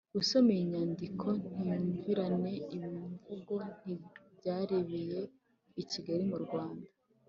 usoma iyi nyandiko ntiyumvirane! ibi mvuga ntibyabereye i kigali, mu rwanda.